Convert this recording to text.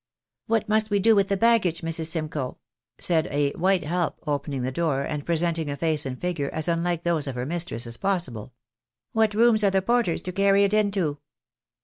"What must w^e do with the baggage, Mrs. Simcoe?" said a white ZieZp, opening the door, and presenting a face and figure as unlike those of her mistress as possible. " What rooms are the porters to carry it into